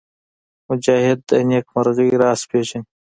مجاهد د نېکمرغۍ راز پېژني.